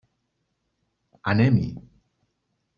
Anem-hi!